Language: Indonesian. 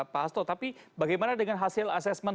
pak asto tapi bagaimana dengan hasil asesmen semuanya